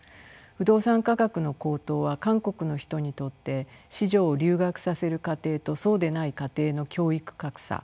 不動産価格の高騰は韓国の人にとって子女を留学させる家庭とそうでない家庭の教育格差。